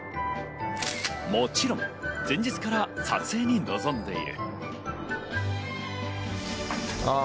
もちろん前日から撮影に臨んでいる。